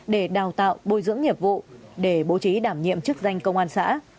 để đào tạo bồi dưỡng nghiệp vụ để bố trí đảm nhiệm chức danh công an xã